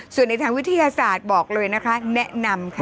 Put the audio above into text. ส่วนในทางวิทยาศาสตร์บอกเลยนะคะแนะนำค่ะ